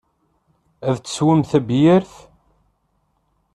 Ad teswem tabyirt?